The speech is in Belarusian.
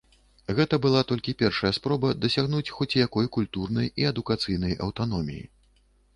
Гэта была толькі першая спроба дасягнуць хоць якой культурнай і адукацыйнай аўтаноміі.